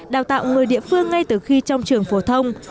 đào tạo người địa phương ngay từ khi trong trường phổ thông